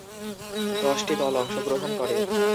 দশটি দল অংশগ্রহণ করে।